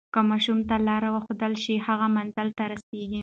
که ماشوم ته لاره وښودل شي، هغه منزل ته رسیږي.